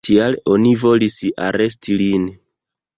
Tial oni volis aresti lin.